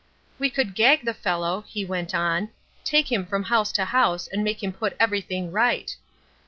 "'We could gag the fellow,' he went on, 'take him from house to house and make him put everything right.'